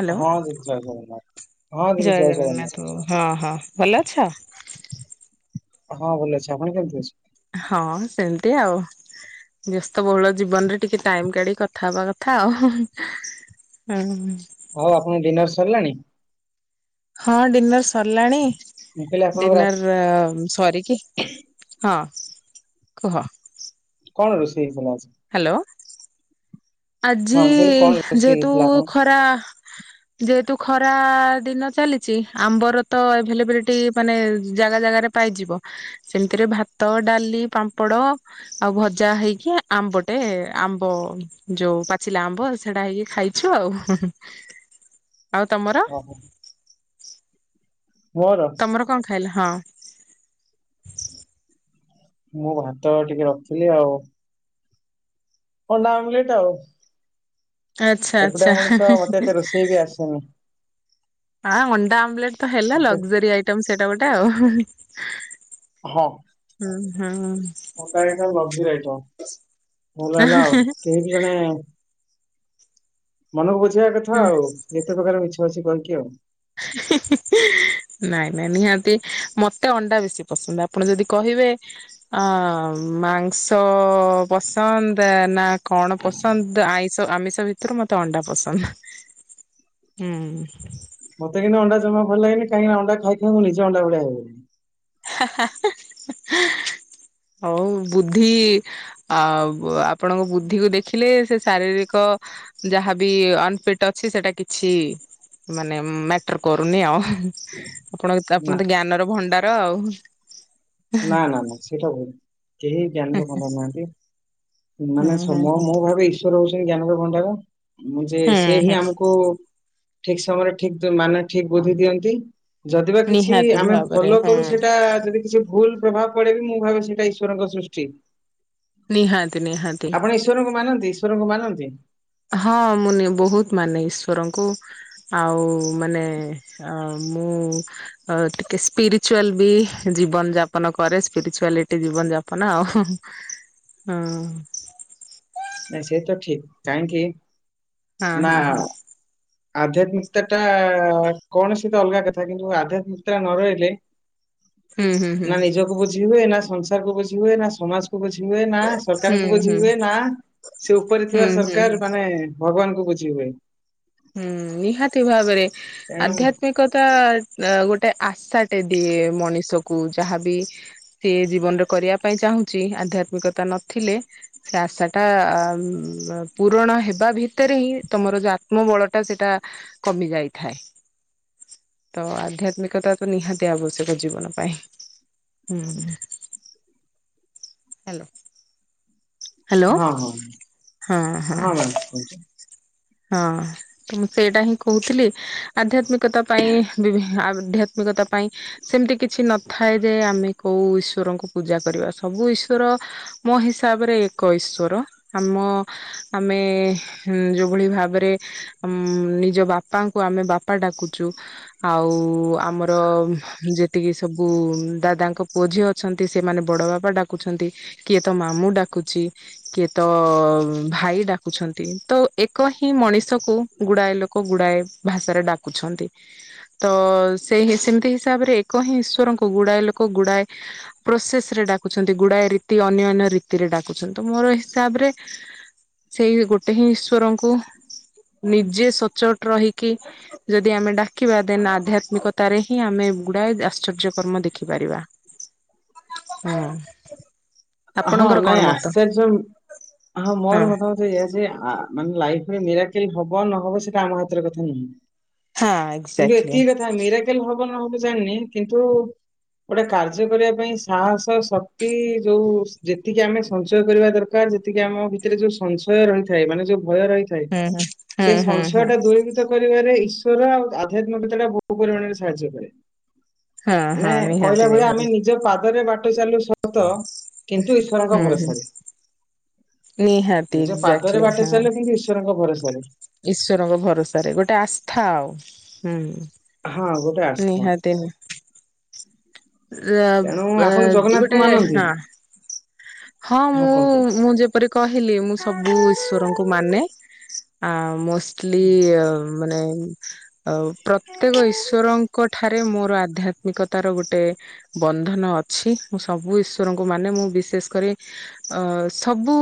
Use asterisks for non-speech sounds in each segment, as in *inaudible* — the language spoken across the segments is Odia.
ହ୍ୟାଲୋ ହଁ ଦିଦି ଜୟ ଜଗନ୍ନାଥ। ଜୟ ଜଗନ୍ନାଥ ହଁ ହଁ ଭଲ ଅଛ? ହଁ ଭଲ ଅଛି ଆପଣ କେମିତି ଅଛନ୍ତି? ହଁ ସେମିତି ଆଉ ବ୍ୟସ୍ତବହୁଳ ଜୀବନରେ ଟିକେ ଟାଇମ୍ କାଢିକି କଥା ହବା କଥା ଆଉ ହୁଁ। ଆଉ ଆପଣ ଡିନର୍ ସାରିଲାଣି? ହଁ ଡିନର୍ ସରିଲାଣି ମୁଁ କହିଲି ଆପଣଙ୍କ ରା ଡିନର୍ ସରିକି ହଁ କୁହ କଣ ରୋଷେଇ ହେଇଥିଲା ଅଜି? ହାଲୋ। ଆଜି ହଁ ମୁଁ କହିଲି କଣ ରୋଷେଇ ଯେହେତୁ ହେଇଥିଲା ଆପଣଙ୍କ? ଖରା ଯେହେତୁ ଖରା ଦିନ ଚାଲିଛି ଆମ୍ବର ତ ଏଭେଲେବିଲିଟି ମାନେ ଜାଗା ଜାଗାରେ ପାଇଯିବ ସେମିତିରେ ଭାତ ଡାଲି ପାମ୍ପଡ ଆଉ ଭଜା ହେଇକି ଆମ୍ବଟେ ଆମ୍ବ ଯୋଉ ପାଚ ଲା ଆମ୍ବ ସେଇଟା ହେଇକି ଖାଇଛୁ ଆଉ। ଆଉ ତମର ଓହୋ। ମୋର ହେଲେ ହଁ। ମୁଁ ଭାତ ଟିକେ ରଖିଥିଲି ଆଉ। ପଣ୍ଡା ଆମଲେଟ ଆଉ ଆଚ୍ଛା ଏକୁଟା ଆଚ୍ଛା ମଣିଷ ମତେ ଏତେ ରୋଷେଇ ବି ଆସେନି ହଁ ଅଣ୍ଡା ଆମଲେଟ ତ ହେଲା ମତେ ଲଗଜରୀ ଆଇଟ ସେଇଟା ଗୋଟେ ଏଟା ଆଉ ହଁ। ହଁ। ମୋ କ କ ଲବଜିି ରାଇ ଭଲ ହେଲା ଆଉ କେହି ବି ଜଣେ ମନେକୁ ବ କଥା ଆଉ ଯେତେ ପ୍ରକାର ମି ଅଛି କର କି ଆଉ ନାଇଁ ନାଇଁ ନିହାତି ମତେ ଅଣ୍ଡା ବେଶୀ ପସନ୍ଦ ଆପଣ ଯଦି କହିବେ ମାଂସ ପସନ୍ଦ ନା କଣ ପସନ୍ଦ ଆଇ ତ ଆମିଷ ଭିତରୁ ମତେ ଅଣ୍ଡା ପସନ୍ଦ ହୁଁ। ମତେ କିନ୍ତୁ ଅଣ୍ଡା ଜମା ଭଲ ଲାଗେନି କାହିଁକିନା ଅଣ୍ଡା ଖାଇ ଖାଇନ୍ତୁ ନିଜ ଅଣ୍ଡା ଭଳିଆ ହେବନି। ହଉ ବୁଦ୍ଧି ଆ ଆପଣଙ୍କ ବୁଦ୍ଧିକୁ ଦେଖିଲେ ସେ ଶାରୀରିକ ଯାହାବ ଅନଫିଟ ଅଛି ସେଟା କିଛି ମାନେ ମ୍ୟାଟର କରୁନି ଆଉ। ଆପଣ ନା ଆପଣ ତ ଜ୍ଞାନର ଭଣ୍ଡାର ରା ଆଉ *inaudible* ନା ନା ନା ସେଇଟା ଭୁଲ କେହି ଜ୍ଞାନ କାମଉନାହାନ୍ତି ହୁଁ ମାନେ ହୁଁ ସମୟ ହୁଁ ମୁଁ ଭାବେ ଈଶ୍ୱର ହେଉଛ। *unintelligible* ମୁଁ ଯେ ସେ ହୁଁ ହିଁ ହୁଁ ଆମକୁ ଠିକ ସମୟରେ ଠିକ ମାନେ ଠିକ ବୁଦ୍ଧି ଦିଅନ୍ତି। ଯଦି ବା କିଛି ନିହାତି ଆମେ ଭାବରେ ଭଲ ହୁଁ କରୁ ସେଇଟା ଯଦି କିଛି ଭୁଲ ପ୍ରଭାବ ପଡେ ବିି ମୁଁ ଭାବେ ସେଇଟା ଈଶ୍ୱରଙ୍କ ସୃଷ୍ଟି। ନିହାତି ନିହାତି ଆପଣ ଈଶ୍ୱରଙ୍କୁ ମାନନ୍ତି ଈଶ୍ୱରଙ୍କୁ ମାନ। *unintelligible* ହଁ ମୁଁ ବହୁତ ମାନେ ଈଶ୍ଵରଙ୍କୁ। ଆଉ ମାନେ ଆ ମୁଁ ଟିକେ ସ୍ପିରୁଚୁଆଲ ବି ଜୀବନ ଯାପନ କରେ। ସ୍ପିରୁଚୁଆଲିଟି ଜୀବନ ଯାପନ ଆଉ ହଁ। ନାଁ ସେ ତ ଠିକ। କାହିଁକି? ହଁ ନା ହଁ ହଁ। ଆଧ୍ୟାତ୍ମିକତା ଟା କୌଣସି ତ ଅଲଗା କଥା। କିନ୍ତୁ ଆଧ୍ୟାତ୍ମିକତା ନ ରହିଲେ ହୁଁ ହୁଁ ହୁଁ ନା ନିଜକୁ ବୁଝି ହୁଏ ନା ସଂସା ବୁଝି ହୁଏ ନା ସମାଜକୁ। ବୁଝି ହୁଏ ନା ହୁଁ ସରକାରଙ୍କୁ ବୁଝି ହୁଁ ହୁଏ ନା ସେ ଉପରେ ହୁଁ ଥିବା ହୁଁ ସରକାର ମାନେ ଭଗବାନଙ୍କୁୁ ବୁଝିହୁଏ। ହୁଁ ନିହାତି ଭାବରେ ତେଣୁ ଆଧ୍ୟାତ୍ମିକତା ଗୋ ଗୋଟେ ଆଶାଟେ ଦିଏ ମଣିଷକୁ ଯାହାବି ସିଏ ଜୀବନରେ କରିବା ପାଇଁ ଚାହୁଁଛି। ଆଧ୍ୟାତ୍ମିକତା ନଥିଲେ ସେ ଆଶାଟା ପୂରଣ ହେବା ଭିତରେ ହିଁ ତମର ବଳ ସେଟା କମି ଯାଇଥାଏ। ତ ଆଧ୍ୟାତ୍ମିକତା ତ ନିହାତି ଜୀବନ ପାଇଁ। ହୁଁ ହ୍ୟାଲୋ। ହଁ ହଁ ହଁ ମ୍ୟାଡମ କୁହନ୍ତୁ। ହଁ ମୁଁ ସେଇଟା ହିଁ କହୁଥିଲି ଆଧ୍ୟାତ୍ମିକତା ପାଇଁ ବିଭି ଆଧ୍ୟାତ୍ମିକତା ପାଇଁ ସେମିତି କିଛି ନଥାଏ ଯେ ଆମେ କୋଉ ଈଶ୍ଵରଙ୍କୁ ପୂଜା କରିବା ସବୁ ଈଶ୍ଵର ମୋ ହିସାବରେ ଏକ ଈଶ୍ଵର ଆମ ଆମେ ଯୋଉ ଭଳି ଭାବରେ ନିଜ ବାପାଙ୍କୁ ଆମେ ବାପା ଡାକୁଛୁ ଆଉ ଆମର ଯେତିକି ସବୁ ଦାଦାଙ୍କ ପୁଅ ଝିଅ ଅଛନ୍ତି ସେମାନେ ବଡ ବାପା ଡାକୁଛନ୍ତି କିଏ ତ ମାମୁଁ ଡାକୁଛି କିଏ ତ ଭାଇ ଡାକୁଛନ୍ତି ତ ଏକ ହିଁ ମଣିଷକୁ ଗୁଡାଏ ଲୋକ ଗୁଡାଏ ଭାଷାରେ ଡାକୁଛନ୍ତି ତ ସେଇ ସେମିତି ହିସାବରେ ଏକ ହିଁ ଈଶ୍ୱରଙ୍କୁ ଗୁଡାଏ ଲୋକ ଗୁଡାଏ ପ୍ରୋସେସ ରେ ଡାକୁଛନ୍ତି ଗୁଡାଏ ରୀତି ଅନ୍ୟ ଅନ୍ୟ ରୀତିରେ ଡା *unintelligible* ମୋର ହିସାବରେ ସେଇ ଗୋଟେ ହିଁ ଇଶ୍ ଈଶ୍ଵରଙ୍କୁ ନିଜେ ସଚୋଟ ରହିକି ଯଦି ଆମେ ଡାକିବା ଦେନ ଆଧ୍ୟାତ୍ମିକତାରେ ହିଁ ଆମେ ଗୁଡାଏ ଆଶ୍ଚର୍ଯ୍ୟକର୍ମ ଦେଖିପାରିବା। ହୁଁ। ହଁ ନାଇଁ ଆଶ୍ଚର୍ଯ୍ୟ ହଁ ମୋର ମତାମତ ଏଇଆ ଯେ ଆ ଲାଇଫ ମିରାକିଲ ହବ ନହବ ସେଇଟା ଆମ ହାତରେ କଥା ନୁହେଁ। ହଁ କିନ୍ତୁ ଏକ୍ଜାକ୍ଟଲି ହୁଁ ଏତିକି କଥା ମିରାକେଲ ହ ହବ ନହବ ଜାଣିନି କିନ୍ତୁ ଗୋଟେ କାର୍ଯ୍ୟ କରିବା ପାଇଁ ସାହସ ଶକ୍ତି ଯୋଉ ଯେତିକି ଆମେ ସଞ୍ଚୟ କରିବା ଦରକାର ଯେତିକି ଆମ ଭିତରେ ଯୋଉ ସଂଶୟ ରହିଥାଏ ମାନେ ଯୋଉ ଭୟ ରହିଥାଏ। ସେ ହୁଁ ହୁଁ ହୁଁ ସଂଶୟ ହୁଁ ଟା ଦୂରଭୂତ କରିବାରେ ଇଶ୍ ଆଉ ଆଧ୍ୟାତ୍ମିକତା ଟା ବହୁ ପରିମାଣରେ ସାହାଯ୍ୟ କରେ। ହଁ ହଁ ନାଇଁ କହିଲା ନିହାତି ଭଳିଆ ଆମେ ନିହାତି ନିଜ ପାଦରେ ବାଟ ଚାଲୁ, ହଁ ତ, କିନ୍ତୁ ଈଶ୍ଵରଙ୍କ ହୁଁ ହୁଁ ଭରସାରେ। ନିହାତି ନିଜ ପାଦରେ ବାଟ ଚାଲିଲେ କିନ୍ତୁ ଈଶ୍ଵରଙ୍କ ଘରେ ଭରସାରେ। ଈଶ୍ଵରଙ୍କ ଭରସାରେ ଗୋଟେ ଆସ୍ଥା ଆଉ। ହୁଁ ହଁ ଗୋଟେ ଆସ୍ଥା ନିହାତି ନି ଅ ତେଣୁ ଅ ଆପଣ ଜଗନ୍ନାଥଙ୍କୁ ଗୋଟେ ମାନନ୍ତି ହଁ। ହଁ ମୁଁ ମୁଁ ଯେପରି କହିଲି ମୁଁ ସବୁ ଈଶ୍ୱରଙ୍କୁ ମାନେ। ଆଉ ମୋ ଲି ଅ ମାନେ *inaudible* ଆଉ ପ୍ରତ୍ୟେକ ଈଶ୍ବରଙ୍କ ଠାରେ ମୋର ଆଧ୍ୟାତ୍ମିକତାର ଗୋଟେ ବନ୍ଧନ ଅଛି ମୁଁ ସବୁ ଈଶ୍ଵରଙ୍କୁ ମାନେ ମୁଁ କରେ ଅ ସବୁ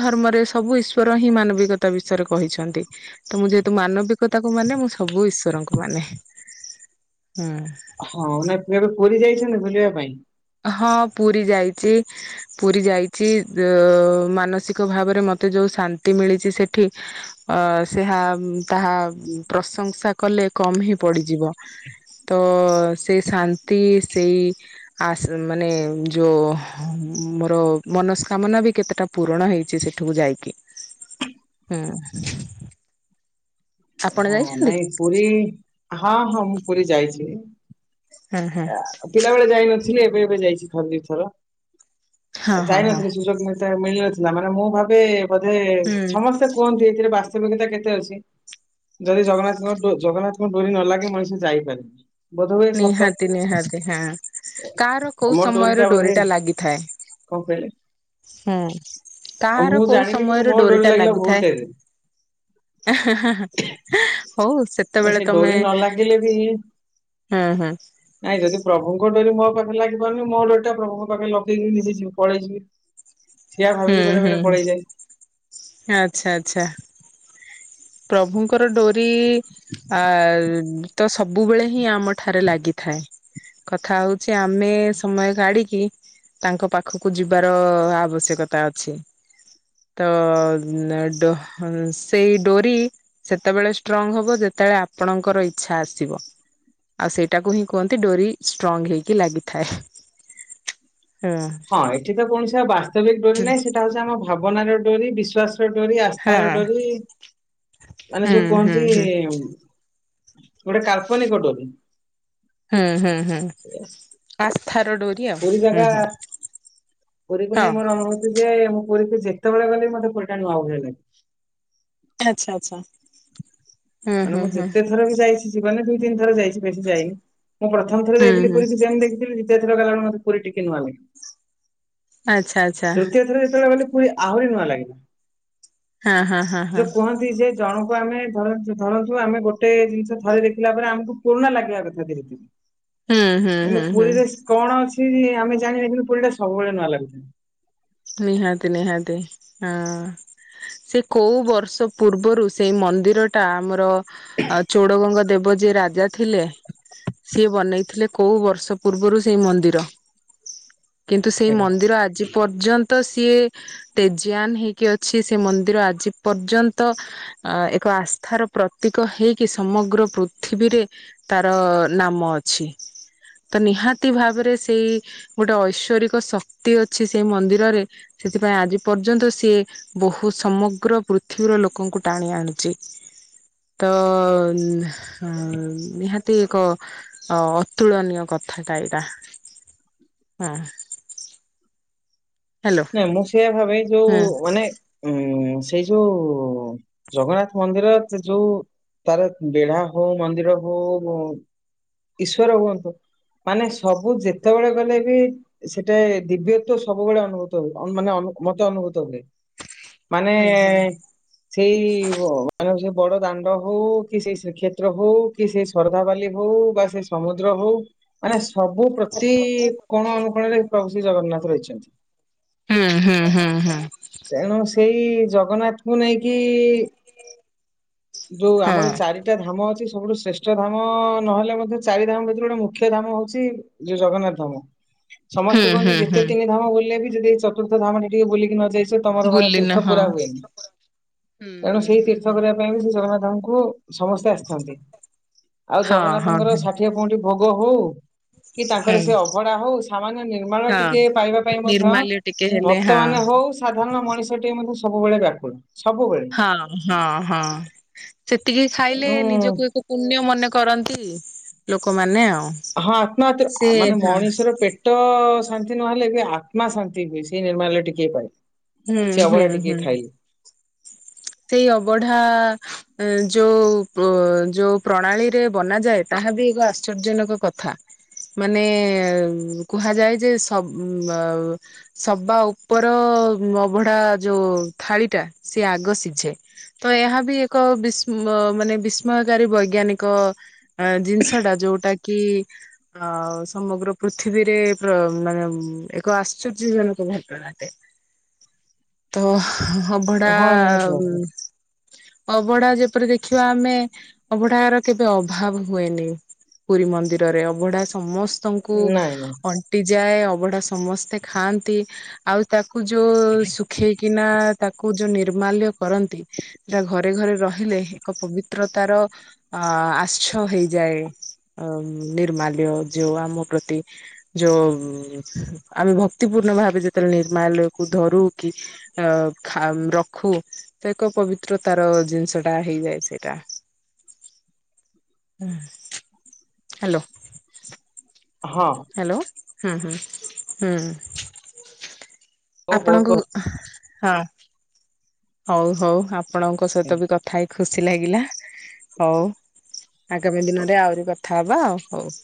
ଧର୍ମରେ ସବୁ ଈଶ୍ୱର ହିଁ ମାନବିକତା ବିଷୟରେ କହିଛନ୍ତି। ତ ମୁଁ ଯେହେତୁ ମାନବିକତାକୁ ମାନେ ମୁଁ ସବୁ ଈଶ୍ବରଙ୍କୁ ମାନେ। ହଁ ନା ଏ ଏବେ ପୁରୀ ଯାଇ ଚନ୍ତି ବୁଲିବା ପାଇଁ? ହଁ ପୁରୀ ଯାଇଛି ପୁରୀ ଯାଇଛି ଅ ମାନସିକ ଭାବରେ ମତେ ଯୋଉ ଶାନ୍ତି ମିଳିଛି ସେଠି ଅ ସେ ହା ତାହା ପ୍ରଶଂସା କଲେ କମ ହିଁ ପଡିଯିବ। ତ ସେଇ ଶାନ୍ତି ସେଇ ଆସ ମାନେ ଯୋଉ ମୋର ମନସ୍କାମନା ବି କେତେଟା ପୂରଣ ହେଇଛି ସେଠୁକୁ ଯାଇକି। ହୁଁ। ଆପଣ ହଁ ଯାଇଛନ୍ତି? ନାଇଁ ପୁରୀ ହଁ ହଁ ମୁଁ ପୁରୀ ଯାଇଛି। ହୁଁ ହୁଁ। ଆ ପିଲାବେଳେ ଯାଇନ ଥିଲି ଏବେ ଏବେ ଯାଇଛି ଥରେ ଦି ଥର। ହଁ ହଁ ହଁ ଯାଇନଥିଲି ସୁଯୋଗ ମିଳିତେ ମିଳିନଥିଲା ମାନେ ମୁଁ ଭାବେ ବୋଧେ ହୁଁ ସମସ୍ତେ କୁହନ୍ତି ଏଇଥିରେ ବା ତବତା କେତେ ଅଛି। ଯଦି ଜଗନ୍ନାଥଙ୍କ ଡୋ ଜଗନ୍ନାଥଙ୍କ ଡୋରି ନ ଲାଗେ ମଣିଷ ଯାଇପାରେନି। ବୋଧ ହୁଏ ସତ ନିହାତି ନିହାତି ହଁ କାହାର ଆଉ କୋଉ ମୋ ଡୋରି ଟା ସମୟରେ ବୋଧେ ଡୋରିଟା ଲାଗିଥାଏ। କଣ କହିଲେ ହୁଁ ଆଉ କାହାର ମୁଁ କୋଉ ଜାଣିନି କିନ୍ତୁ ସମୟର ମୋ ଡୋରି ଡୋରିଟା ଲାଗିଲା ବହୁତ ଲାଗିଥାଏ। ଡେରିରେ *inaudible* ସେତେବେଳେ ସେ ତମେ ଡୋରି ନ ଲାଗିଲେ ବି ହୁଁ ହୁଁ ନାଇଁ ଯଦି ପ୍ରଭୁଙ୍କ ଡୋରି ମୋ ପାଖରେ ଲାଗି ପାରୁନି ମୋ ଡୋରିଟା ପ୍ରଭୁଙ୍କ ପାଖେ ଲଗେଇକି ନିଜେ ଯିବି ପଳେଇଯିବି। ସେଇଆ ହୁଁ ଭାବିକି ବେଳେ ବେଳେ ହୁଁ ପଳେଇଯାଏ। ଆଚ୍ଛା ଆଚ୍ଛା। ପ୍ରଭୁଙ୍କର ଡୋରି ଆ ତ ସବୁବେଳେ ହିଁ ଆମ ଠାରେ ଲାଗିଥାଏ। କଥା ହଉଛି ଆମେ ସମୟ କାଢିକି ତାଙ୍କ ପାଖକୁ ଯିବାର ଆବଶ୍ୟକତା ଅଛି। ତ ଡୋ ଡୋରି ସେତେବେଳେ ଷ୍ଟ୍ରଙ୍ଗ ହବ ଯେତେବେଳେ ଆପଣଙ୍କର ଇଚ୍ଛା ଆସିବ ଆଉ ସେଇଟାକୁ ହିଁ କୁହନ୍ତି ଡୋରି ଷ୍ଟ୍ରଙ୍ଗ ହେଇକି ଲାଗିଥାଏ। ହଁ ଏଠି ତ କୌଣସି ଆଉ ବାସ୍ତ ସ୍ତବିକ ଡୋରି ନାଇଁ ସେଇଟା ହଉଛି ଆମ ଭାବନାର ଡୋରି ବିଶ୍ୱାସ, ଡୋରି ଆସ୍ଥାର ହଁ ଡୋରି ମାନେ ଯୋଉ ହୁଁ କୁହନ୍ତି, ହୁଁ ଗୋଟେ କାଳ୍ପନିକ ଡୋରି, ହୁଁ ହୁଁ ହୁଁ ସେଇଆ। ଆସ୍ଥାର ଡୋରି, ଆଉ ପୁରୀ ଜାଗା ହୁଁ ହୁଁ ପୁରୀକୁ ହଁ ନେଇ ମୋର ଅନୁଭୂତି ଯେ, ମୁଁ ପୁରୀ ଯେତେବେଳେ ଗଲେ ମତେ ପୁରିଟା ନୂଆ ଭଳିଆ ଲାଗେ। ଆଚଛା ଆଚ୍ଛା ହୁଁ ମାନେ ହୁଁ ମୁଁ ହୁଁ ଯେତେ ଥର ବି ଯାଇଛି ଯ ମାନେ ଦ ଦିନ ଥର ଯାଇଛି ବେଶୀ ଯାଇନି। ମୁଁ ପ୍ରଥମ ଥର ହୁଁ ଜାଇଥିଲି ହୁଁ ପୁରୀକୁ ଯେନ୍ତି ଦେଖିଥିଲି *inaudible* ମତେ ପୁରୀ ଟିକେ ନୂଆଁ ଲାଗଗେ ଆଚ୍ଛା ଆଚ୍ଛା ତୃତୀୟ ଥରେ ଯେତେବେଳେ ମେ ପୁର ଆହୁରି ନୂଆ ଲାଗେ ହଁ ହଁ ହଁ ହଁ, ଯେ ଜଣଙ୍କୁ ଆମେ ଧରନ୍ତୁ। ଧରନ୍ତୁ ଆମେ ଗୋଟେ ଜିନିଷ ଥରେ ଦେଖିଲା ପରେ ଆମକୁ ପୁରୁଣା ଲାଗିବା କଥା ଧୀରେ ଧୀରେ, ହୁଁ ହୁଁ ହୁଁ ଏବେ ହୁଁ ପୁରୀରେ କଣ ଅଛି, ସେ ଆମେ ଜାଣେ ପୁରୀ ଟା ସବୁବେଳେ ନୂଆ ଲାଗିଥାଏ। ନିହାତି ନିହାତି ହଁ ସେ କୋଉ ବର୍ଷ ପୂର୍ବରୁ ସେଇ ମନ୍ଦିର ଟା ଆମର ଆଉ ଚୋଡଗଙ୍ଗ ଦେବ ଯିଏ ରାଜା ଥିଲେ ସିଏ ବନେଇଥିଲେ କୋଉ ବର୍ଷ ପୂର୍ବରୁ ସେଇ ମନ୍ଦିର କିନ୍ତୁ ସେଇ ଆଜ୍ଞା। ମନ୍ଦିର ଆଜି ପର୍ଯ୍ୟନ୍ତ ତ ସିଏ ତେଜଆାନ ହେଇକି ଅଛି ସେ ମନ୍ଦିର ଆଜି ପର୍ଯ୍ୟନ୍ତ ଏକ ଆସ୍ଥାର ପ୍ରତୀକ ହେଇକି ସମଗ୍ର ପୃଥିବୀରେ ତାର ନାମ ଅଛି ତ ନିହାତି ଭାବରେ ସେଇ ଗୋଟେ ଐଶ୍୍ୱରିକ ଶକ୍ତି ଅଛି ସେଇ ମନ୍ଦିରରେ ସେଥିପାଇଁ ଆଜି ପର୍ଯ୍ୟନ୍ତ ସିଏ ବହୁତ ସମଗ୍ର ପୃଥିବୀର ଲୋକଙ୍କୁ ଟାଣି ଆଣୁଛି ତ ନିହାତି ଏକ ଅତୁଳନୀୟ କଥାଟା ଏଇଟା ହଁ ହ୍ୟାଲୋ ନାଇଁ ମୁଁ ସେଇୟଆ ଭାବେ ଯୋଉ ହୁଁ। ମାନେ, ଉଁ ସେଇ ଯୋଉ ଜଗନ୍ନାଥ ମନ୍ଦିର ଯୋଉ ତାର ବେଢା ହଉ ମନ୍ଦିର ହଉ ଈଶ୍ୱର ହୁଅନ୍ତୁ ମାନେ ସବୁ ଯେତେବେଳେ ଗଲେ ବି ସେଟା ଦିବ୍ୟତ୍ଵ ସବୁବେଳେ ଅନୁଭୂତ ମାନେ ମତେ ଅନୁଭୂତ ହୁଏ। ମାନେ ହୁଁ ହୁଁ ହୁଁ। ସେଇ ମାନ ସେ ବଡ ଦାଣ୍ଡ ହଉ କି ସେଇ ଶ୍ରୀକ୍ଷେତ୍ର ହଉ କି ସେଇ ଶ୍ରଦ୍ଧା ବାଲି ହଉ ବା ସେ ସମୁଦ୍ର ହଉ ମାନେ ସବୁ ପ୍ରତି କୋଣ ଅନୁକୋଣରେ ପ୍ରଭୁ ଶ୍ରୀ ଜଗନ୍ନାଥ ରହିଛନ୍ତି। ହୁଁ ହୁଁ ହୁଁ ହୁଁ ତେଣୁ ସେଇ ଜଗନ୍ନାଥଙ୍କୁ ନେଇକି କି ଯୋଉ ହଁ ଆମର ଚାରିଟା ଧାମ ଅଛି ସବୁଠୁ ଶ୍ରେଷ୍ଠ ଧାମ ନହେଲେ ମଧ୍ୟ ଚାରି ଧାମ ଭିତରେ ଗୋଟେ ମୁଖ୍ୟ ଧାମ ହଉଛି ଯୋଉ ଜଗନ୍ନାଥ ଧାମ। ହୁଁ ସମସ୍ତେ କୁହନ୍ତି ହୁଁ ଯେତେ ହୁଁ ତିନି ଧାମ ବୁଲିଲେ ବି- ଯଦି ଚତୁର୍ଥ ଧାମାନ ଟିକେ ବୁଲି କି ନଯାଇ ତମର ମାନେ ବୁଲିନ ତୀର୍ଥ ହଁ। ପୁରା ହୁଏନି ହୁଁ ଏଣୁ ହୁଁ ସେଇ ହୁଁ ତୀର୍ଥ ହୁଁ। କରିବା ପାଇଁ ବି ସେ ସେମାନେ ତାଙ୍କୁ ସମସ୍ତେ ଆସିଥାନ୍ତି ଆଉ ହଁ ହଁ ଜଗନ୍ନାଥଙ୍କର ହଁ ହୁଁ ଷାଠିଏ ପଉଟି ଭୋଗ ହଉ କି ତାଙ୍କର ସେ ଅଭଢା ହଉ ସାମାନ୍ୟ ନିର୍ମାଣ ହଁ ଟିକେ ପାଇବା ପାଇଁ ମଧ୍ୟ ନିର୍ମାଲ୍ୟ ଟିକେ ହେଲେ ଭକ୍ତ ହଁ। ମାନ ହଉ ରଣ ମଣିଷ ଟଟି ମ ମଧ୍ୟ ସବୁବେଳେ ବ୍ୟାକୁଳ ସବୁବେଳେ ହଁ ହଁ ହଁ ସେତିକି ଖାଇଲେ ତେଣୁ ନିଜକୁ ଏକ ପୁଣ୍ୟ ମନେ କରନ୍ତି ଲୋକମାନେ ଆଉ ହଁ ଆତ୍ମହତ ସେ ମାନେ ହଁ ମଣିଷର ପେଟ ଶାନ୍ତି ନହେଲେ ଏବେ ଆତ୍ମା ଶାନ୍ତି ହୁଏ ସେଇ ନିର୍ମାଣରେ ଟିକେଏ ପାଇ ହୁଁ ସେ ହୁଁ ଅଭଡ଼ା ଟିକେ ହୁଁ ଖାଇ ସେଇ ଅବଢା ଯୋଉ ଯୋଉ ପ୍ରଣାଳୀରେ ବନାଯାଏ ତାହା ବି ଏକ ଆଶ୍ଚର୍ଜନକ କଥା ମାନେ କୁହାଯାଏ। ଯେ ସବା ଉପର ଅବଢା ଯୋଉ ଥାଳିଟା ସେି ଆଗ ସିଧ ତ ଏହା ବି ଏକ ବି ମାନେ ବିସ୍ମୟକାରୀ ବୈଜ୍ଞାନିକ ଜିନିଷ ଟା ଯୋଉଟା କି ଅ ସମଗ୍ର ପୃଥିବୀରେ ମାନେ ଏକ ଆଶ୍ଚର୍ଯ୍ୟ ଜନକ ଘାତ୍ର ଘଟେ ତ ହଁ ଭଡ଼ା ହଁ ନିହାତି ଭାବରେ ହୁଁ ଅବଢା ଯେପରି ଦେଖିବା ଆମେ ଅବଢାର କେବେ ଅଭାବ ହୁଏନି। ପୁରୀ ମନ୍ଦିରରେ ଅବଢା ସମସ୍ତ ଙ୍କୁ ନାଇଁ ନାଇଁ ଅଣ୍ଟି ଯାଏ ଅଭଢା ସମସ୍ତେ ଖାଆନ୍ତି ଆଉ ତାକୁ ପୂ ଯଉ ଶୁଖେଇ କିନା ତାକୁ ଯେଉଁ ନିର୍ମାଲ୍ୟ ପରନ୍ତୁ ତା ଘରେ ଘରେ ରହିଲେ ଏକ ପବିତ୍ର ପିତ୍ରତାର ଆଶ୍ଛ ହେଇଯାଏ ନିର୍ମାଲ୍ୟ ଯୋଉ ଆମ ପ୍ରତି ଯୋଉ ଆମେ ଭକ୍ତିପୂର୍ଣ୍ଣ ଭାବେ ଯେତେବେଳେ ନିର୍ମାଲ୍ୟକୁୁ ଧରୁ କି ରଖୁ ସେ ଏକ ପବିତ୍ର ତାର ଜିନିଷଟା ହେଇଯାଏ ସେଇଟା ହ୍ୟାଲୋ ହଁ ହ୍ୟାଲୋ ହଁ ହଁ ହୁଁ ହଉ ବହୁତ ଆପଣଙ୍କୁ ବହୁତ ହଁ ହଉ ହଉ ଠିକ୍ ଆପଣଙ୍କ ଅଛି ସହିତ ଥ୍ୟାଙ୍କ ବି ୟୁ କଥା ହେଇ ଖୁସି ଖୁସି ଲାଗିଲା ହଉ ଆଗାମୀ ଦିନରେ ଆହୁରି କଥା ହବା ଆଉ ହଉ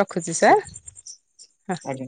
ରଖୁଛି ଠିକ ଅଛି ସାର ଆଜ୍ଞା